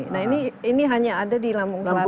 nah ini hanya ada di lampung selatan